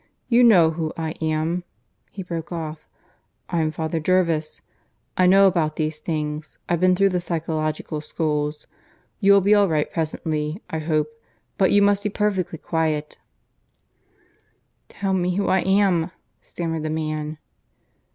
You know who I am" (he broke off). "I'm Father Jervis. I know about these things. I've been through the psychological schools. You'll be all right presently, I hope. But you must be perfectly quiet " "Tell me who I am," stammered the man.